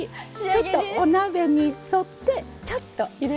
ちょっとお鍋に沿ってちょっと入れるのが。